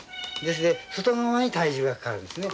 外側に体重がかかるんですね。